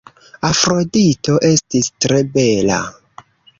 Afrodito estis tre bela.